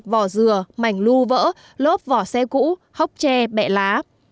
vỏ dừa mảnh lưu vỡ lốp vỏ xe cũ hốc tre bẹ lá